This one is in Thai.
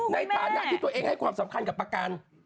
ในฐานะที่ตัวเองให้ความสำคัญกับประกัน